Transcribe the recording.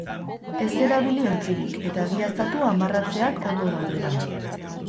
Ez erabili ontzirik, eta egiaztatu amarratzeak ondo daudela.